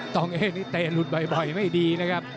ต้องเอ๊นี่เตะหลุดบ่อยไม่ดีนะครับ